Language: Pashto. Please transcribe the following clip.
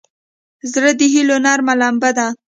زړه د هيلو نرمه لمبه ده.